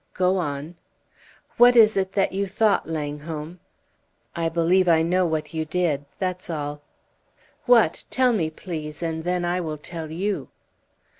"Go on!" "What is it that you thought, Langholm?" "I believe I know what you did. That's all." "What? Tell me, please, and then I will tell you."